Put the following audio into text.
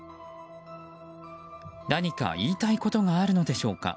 何か言いたいことがあるのでしょうか。